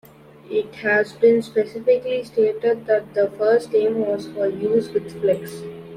It has been specifically stated that the first aim was for use with Flex.